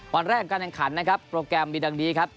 วันแรกการแข่งขันนะครับโปรแกรมมีดังนี้ครับ